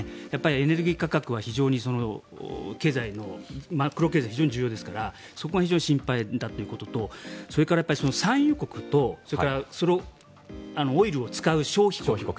エネルギー価格は非常にマクロ経済、重要ですからそこが非常に心配だということとそれから産油国とそれを、オイルを使う消費国